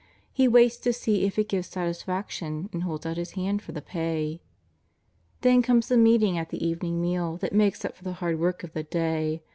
He waits to see if it gives satisfaction, and holds out His hand for the pay. Then comes the meeting at the evening meal that makes up for the hard work of the day.